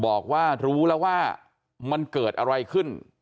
บอกว่ารู้แล้วว่ามันเกิดอะไรขึ้น